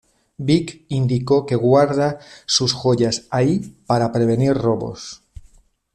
Vick indicó que guarda sus joyas ahí para prevenir robos.